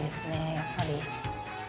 やっぱり。